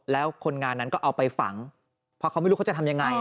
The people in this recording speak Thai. แล้วคนงานนั้นก็เอาไปฝังเพราะเขาไม่รู้เขาจะทำยังไง